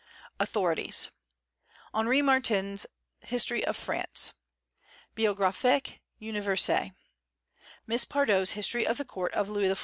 AUTHORITIES. Henri Martin's History of France; Biographic Universelle; Miss Pardoe's History of the Court of Louis XIV.